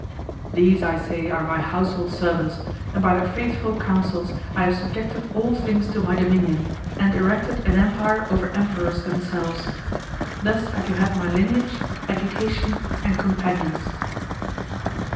These, I say, are my household servants, and by their faithful counsels I have subjected all things to my dominion and erected an empire over emperors themselves. Thus have you had my lineage, education, and companions.